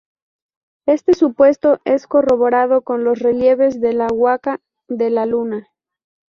Este supuesto es corroborado con los relieves de la Huaca de la Luna.